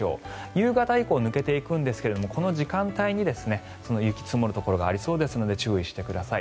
夕方以降、抜けていくんですがこの時間帯に雪が積もるところがありそうですので注意してください。